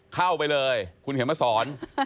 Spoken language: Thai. เข้าไปเลยคุณเขียนมาสอน